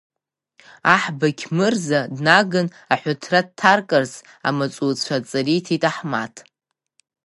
Аҳ Бақьмырза днаганы, аҳәаҭра дҭаркырц, амаҵуцәа адҵа риҭеит Аҳмаҭ.